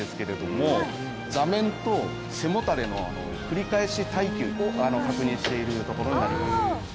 これから繰り返し耐久を確認しているところになります。